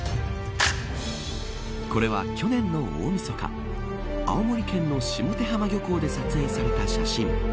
これは去年の大みそか青森県の下手浜漁港で撮影された写真。